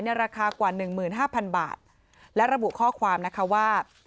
ราคากว่าหนึ่งหมื่นห้าพันบาทและระบุข้อความนะคะว่า